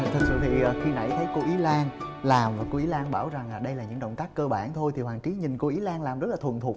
thật sự thì khi nãy thấy cô y lan làm mà cô y lan làm bảo rằng đây là một động tác cơ bản thôi thì hoàng trí nhìn cô y lan làm rất là thuần thuộc